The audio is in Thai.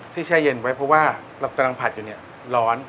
แช่เย็นไว้เพราะว่าเรากำลังผัดอยู่เนี่ยร้อน